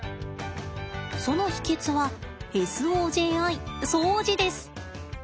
その秘けつはＳＯＪＩ掃除です！